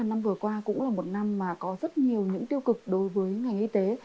năm vừa qua cũng là một năm mà có rất nhiều những tiêu cực đối với ngành y tế